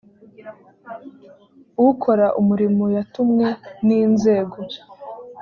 ukora umurimo yatumwe n inzego